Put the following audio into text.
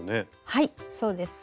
はいそうです。